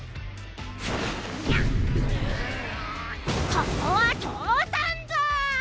ここはとおさんぞ！